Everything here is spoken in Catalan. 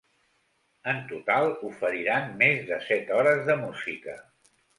En total, oferiran més de set hores de música.